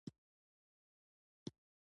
په دې لوست کې به د دې هېواد معاصر تاریخ وڅېړو.